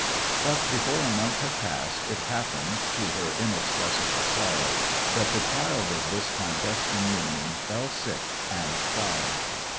But before a month had passed, it happened, to her inexpressible sorrow, that the child of this clandestine union fell sick and died.